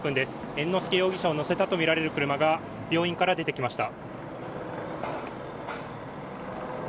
猿之助容疑者を乗せたとみられる車が病院から出てきました。